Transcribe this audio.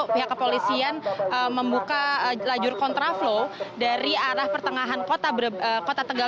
pihak kepolisian membuka lajur kontraflow dari arah pertengahan kota tegal